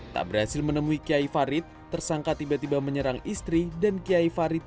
tak berhasil menemui kiai farid tersangka tiba tiba menyerang istri dan kiai farid